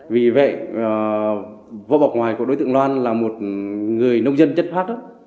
vì vậy vỏ bọc ngoài của đối tượng lan là một người nông dân chất phát